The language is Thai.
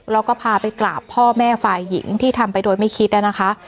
แล้วก็พาไปกราบพ่อแม่ฝ่ายหญิงที่ทำไปโดยไม่คิดนะคะ